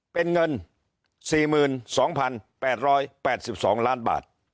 เป็นเงิน๔๒๘๘๒ล้านบาท